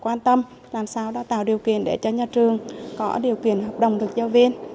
quan tâm làm sao đào tạo điều kiện để cho nhà trường có điều kiện hợp đồng được giáo viên